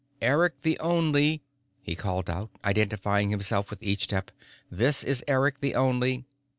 "Eric the Only," he called out, identifying himself with each step. "This is Eric the Only."